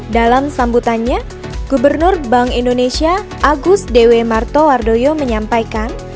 dalam sambutannya gubernur bank indonesia agus dewi martowardoyo menyampaikan